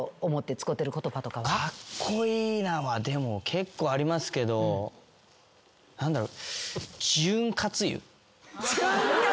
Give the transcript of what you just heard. カッコイイなはでも結構ありますけど何だろう。